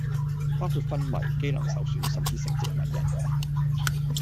包括昏迷，機能受損、甚至成植物人